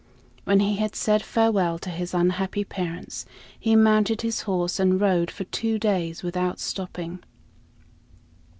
When he had said farewell to his unhappy parents, he mounted his horse and rode for two days without stopping.